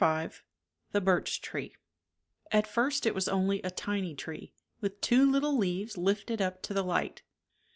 47 THE BIRCH TREE. At first it was only a tiny tree, with two little leaves lifted up to the light.